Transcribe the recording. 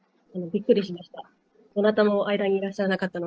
びっくりしました。